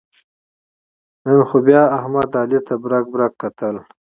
نن خو بیا احمد علي ته برگ برگ کتل.